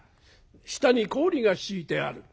下に氷が敷いてある」。